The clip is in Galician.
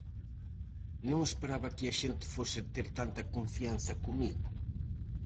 Non esperaba que a xente fose ter tanta confianza comigo.